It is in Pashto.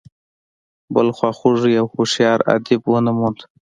بل خواخوږی او هوښیار ادیب ونه موند.